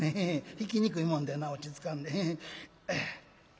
弾きにくいもんでな落ち着かんで。